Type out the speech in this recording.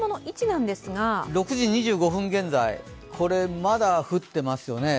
６時２５分現在、まだ降っていますよね。